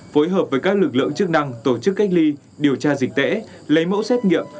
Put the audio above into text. phối hợp với các lực lượng chức năng tổ chức cách ly điều tra dịch tễ lấy mẫu xét nghiệm